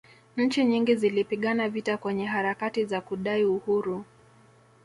nchi nyingi zilipigana vita kwenye harakati za kudai uhuru